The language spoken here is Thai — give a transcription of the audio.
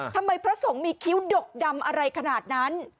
พระสงฆ์มีคิ้วดกดำอะไรขนาดนั้น